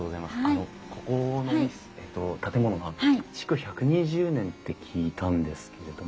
あのここの建物は築１２０年って聞いたんですけれども。